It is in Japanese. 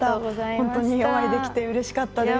本当にお会いできてうれしかったです。